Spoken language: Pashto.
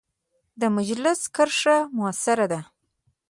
د مجلس کرښه مؤثره ده.